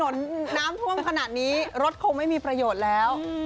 น้ำท่วมขนาดนี้รถคงไม่มีประโยชน์แล้ว